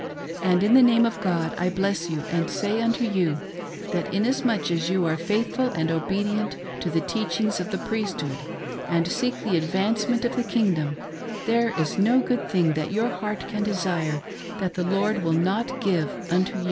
And in the name of God I bless you, and say unto you, that inasmuch as you are faithful and obedient to teachings of the priesthood, and seek the advancement of the kingdom, there is no good thing that your heart can desire that the Lord will not give unto you.